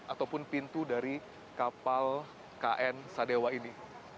ataupun pintu dari kapal kn sadewa ini